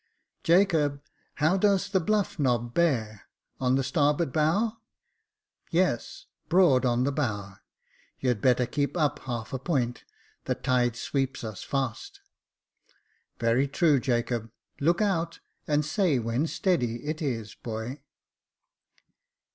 Jacob, how does the bluff nob bear .'' on the starboard bow ?"" Yes — broad on the bow •, you'd better keep up half a point, the tide sweeps us fast." "Very true, Jacob ; look out, and say when Steady it is, boy.